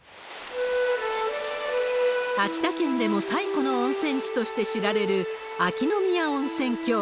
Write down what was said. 秋田県でも最古の温泉地として知られる秋の宮温泉郷。